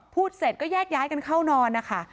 พูดเสร็จก็แยกย้ายกันเข้านอนนะคะ